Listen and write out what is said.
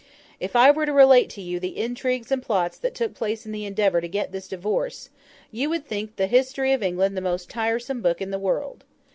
If I were to relate to you the intrigues and plots that took place in the endeavour to get this divorce, you would think the History of England the most tiresome book in the world.